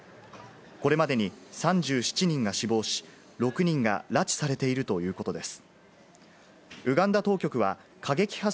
これまでに３７人が死亡し、６人が拉致されているということです。